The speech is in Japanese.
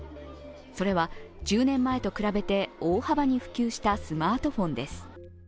それは１０年前と比べて大幅に普及したスマートフォンです。